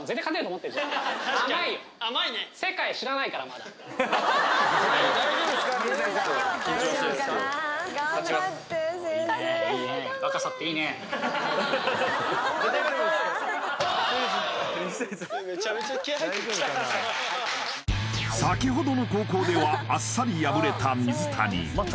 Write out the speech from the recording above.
まだ先ほどの高校ではあっさり敗れた水谷